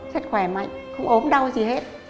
sẽ khỏe mạnh không ốp đau gì hết